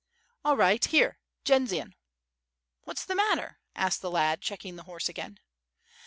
"All right, here! Jendzian." "What's the matter?" asked the lad, checking the horse again.